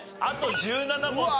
あと１７問。